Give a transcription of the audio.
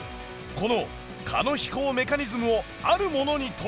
この蚊の飛行メカニズムをあるものに取り入れた！